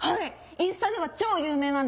インスタでは超有名なんです。